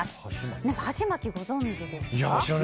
皆さん、はしまきご存じですか？